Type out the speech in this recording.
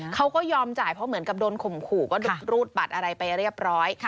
เขาก็ยอมจ่ายเพราะเหมือนกับโดนข่มขู่ก็รูดบัตรอะไรไปเรียบร้อย